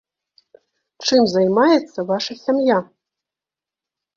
Чым займаецца ваша сям'я?